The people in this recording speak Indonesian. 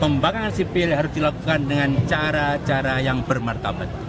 pembangunan sipil harus dilakukan dengan cara cara yang bermartabat